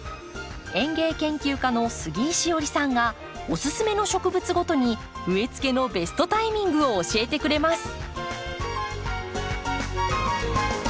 園芸研究家の杉井志織さんがおすすめの植物ごとに植えつけのベストタイミングを教えてくれます。